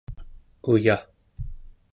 uya